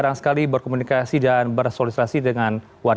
tentu nanti ini kita akan dalam